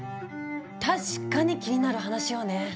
確かに気になる話よね。